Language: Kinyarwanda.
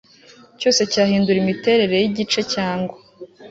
cyose cyahindura imiterere y igice cyangwa